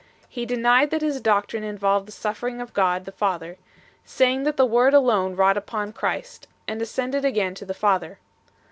He denied that his doctrine involved the suffering of God the Father, saying that the Word alone wrought upon Christ, and ascended again to the Father 2